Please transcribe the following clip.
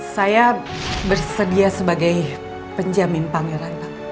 saya bersedia sebagai penjamin pangeran